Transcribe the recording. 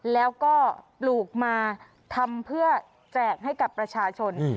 แล้วก็ปลูกมาทำเพื่อแจกให้กับประชาชน